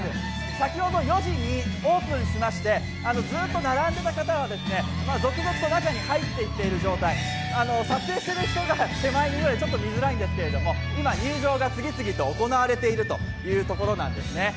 先ほど４時にオープンしましてずっと並んでいた方は続々と中に入っていっている状態、撮影している人が手前にいるのでちょっと見づらいんですけど今、入場が次々と行われているところなんですね。